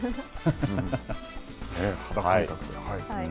肌感覚で。